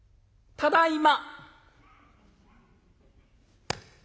「ただいま。